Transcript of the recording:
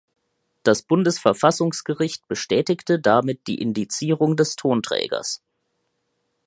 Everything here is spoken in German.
Das Bundesverfassungsgericht bestätigte damit die Indizierung des Tonträgers.